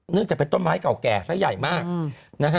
เนื่องจากเป็นต้นไม้เก่าแก่และใหญ่มาก